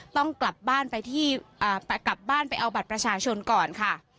ต้องกลับบ้านไปเอาบัตรประชาชนก่อนค่ะ